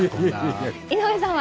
井上さんは？